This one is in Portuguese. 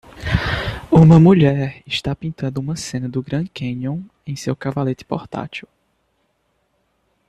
Uma mulher está pintando uma cena do Grand Canyon em seu cavalete portátil.